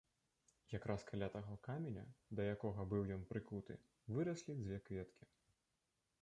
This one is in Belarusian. Якраз каля таго каменя, да якога быў ён прыкуты, выраслі дзве кветкі.